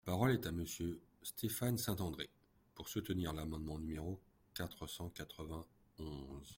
La parole est à Monsieur Stéphane Saint-André, pour soutenir l’amendement numéro quatre cent quatre-vingt-onze.